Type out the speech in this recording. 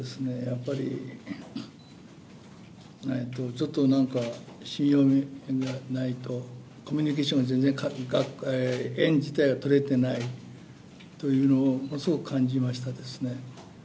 やっぱり、ちょっとなんか信用ないと、コミュニケーションが全然園自体が取れてないというのをものすごく感じましたですね。